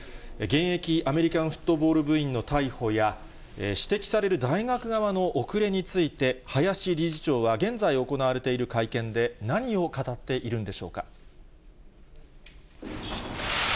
現役アメリカンフットボール部員の逮捕や、指摘される大学側の遅れについて林理事長は現在行われている会見で、何を語っているんでしょうか。